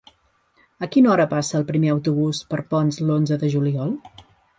A quina hora passa el primer autobús per Ponts l'onze de juliol?